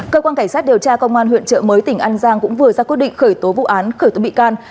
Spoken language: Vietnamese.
cơ quan cảnh sát điều tra công an huyện trợ mới tỉnh an giang cũng vừa ra quyết định khởi tố vụ án khởi tố bị can